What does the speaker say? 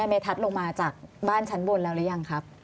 เมทัศน์ลงมาจากบ้านชั้นบนแล้วหรือยังครับ